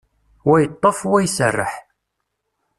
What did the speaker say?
Wa yeṭṭef, wa iserreḥ.